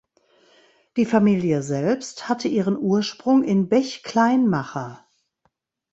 Die Familie selbst hatte ihren Ursprung in Bech-Kleinmacher.